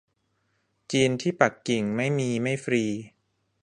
จีนที่ปักกิ่ง ไม่มี ไม่ฟรี